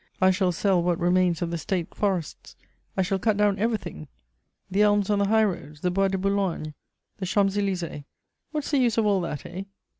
I shall sell what remains of the State forests. I shall cut down everything. The elms on the highroads, the Bois de Boulogne, the Champs Élysées: what's the use of all that, eh?"